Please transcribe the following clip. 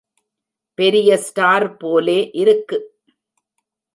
பெரிய ஸ்டார் போலே இருக்கு.